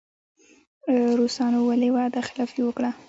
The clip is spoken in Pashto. روسانو ولې وعده خلافي وکړه.